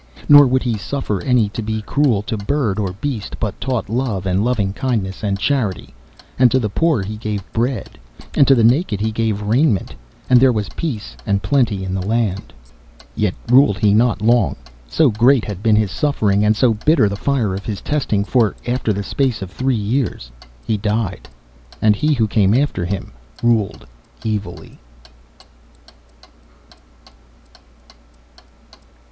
Nor would he suffer any to be cruel to bird or beast, but taught love and loving kindness and charity, and to the poor he gave bread, and to the naked he gave raiment, and there was peace and plenty in the land. Yet ruled he not long, so great had been his suffering, and so bitter the fire of his testing, for after the space of three years he died. And he who came after him ruled evilly.